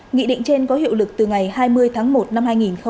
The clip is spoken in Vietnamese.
nghị định trên có hiệu lực từ ngày hai mươi tháng một năm hai nghìn hai mươi